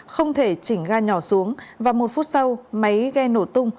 không thể chỉnh ga nhỏ xuống và một phút sau máy ghe nổ tung